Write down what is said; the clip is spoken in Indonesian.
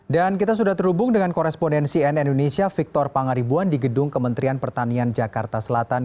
kita sudah terhubung dengan korespondensi nn indonesia victor pangaribuan di gedung kementerian pertanian jakarta selatan